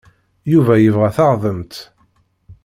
Yuba yebɣa taɣdemt.